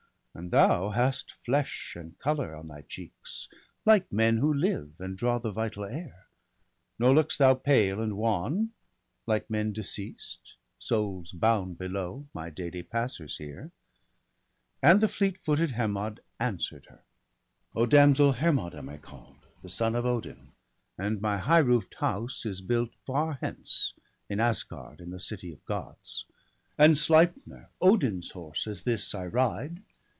And thou hast flesh and colour on thy cheeks, Like men who live, and draw the vital air; Nor look'st thou pale and wan, like men deceased. Souls bound below, my daily passers here.' And the fleet footed Hermod answer'd her: — 156 BALDER DEAD. ' O damsel, Hermod am I call'd, the son Of Odin; and my high roof d house is built Far hence, in Asgard, in the city of Gods; And Sleipner, Odin's horse, is this I ride.